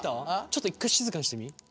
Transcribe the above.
ちょっと一回静かにしてみ。